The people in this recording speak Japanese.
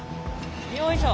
よいしょ。